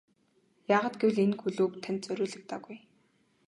Яагаад гэвэл энэ клуб танд зориулагдаагүй.